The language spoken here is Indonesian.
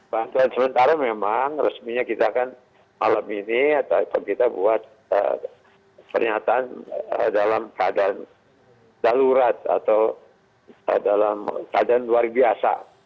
bantuan sementara memang resminya kita kan malam ini atau kita buat pernyataan dalam keadaan darurat atau dalam keadaan luar biasa